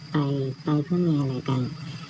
ไปเพื่อเมืองอะไรกัน